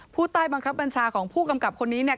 ผู้ใต้บังคับบัญชาของผู้กำกับคนนี้เนี่ย